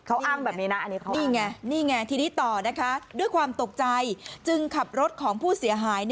เขาอ้างแบบนี้นะนี่ไงนี่ไงทีนี้ต่อนะคะด้วยความตกใจจึงขับรถของผู้เสียหาย